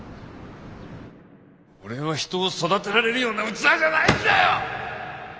俺は人を育てられるような器じゃないんだよ！